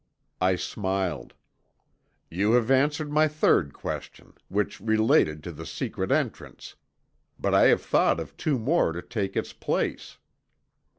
I smiled. "You have answered my third question, which related to the secret entrance, but I have thought of two more to take its place.